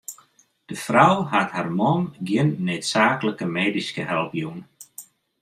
De frou hat har man gjin needsaaklike medyske help jûn.